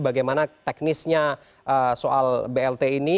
bagaimana teknisnya soal blt ini